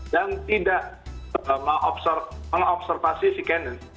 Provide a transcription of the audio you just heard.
dan tidak mengobservasi si canon